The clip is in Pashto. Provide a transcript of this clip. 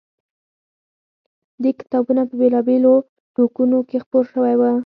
دې کتابونه په بېلا بېلو ټوکونوکې خپور شوی و.